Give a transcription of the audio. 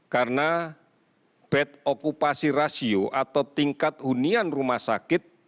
karena bed okupasi rasio atau tingkat hunian rumah sakit